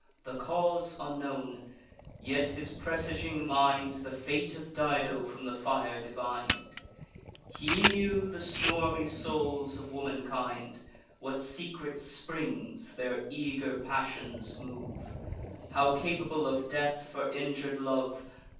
The cause unknown; yet his presaging mind The fate of Dido from the fire divin'd; He knew the stormy souls of womankind, What secret springs their eager passions move, How capable of death for injur'd love.